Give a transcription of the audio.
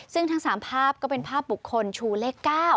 ซึ่งทั้ง๓ภาพก็เป็นภาพบุคคลชูเลข๙